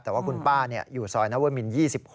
แต่ว่าคุณป้าอยู่ซอยนัวมิน๒๖